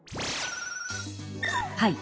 はい。